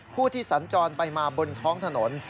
ผู้ที่สัญจรไปมาบนท้องถนน